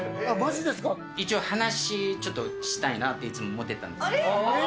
一応、話、ちょっとしたいなといつも思ってたんですけども。